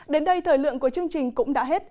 đến đây thời lượng của chương trình cũng đã hết